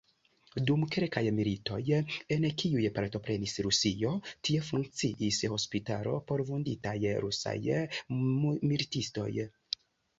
Dum kelkaj militoj, en kiuj partoprenis Rusio, tie funkciis hospitalo por vunditaj rusaj militistoj.